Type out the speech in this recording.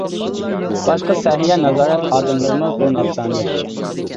باشقا سەھىيە نازارەت خادىملىرىمۇ بىر نەپسانىيەتچى.